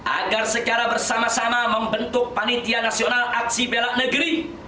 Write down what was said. agar secara bersama sama membentuk panitia nasional aksi bela negeri